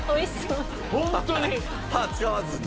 ホントに歯使わずに？